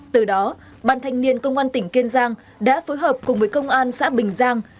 từ đó ban thanh niên công an tỉnh kiên giang đã phối hợp cùng với công an xã bình giang